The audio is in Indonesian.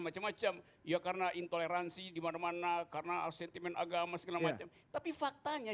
macam macam ya karena intoleransi dimana mana karena sentimen agama segala macam tapi faktanya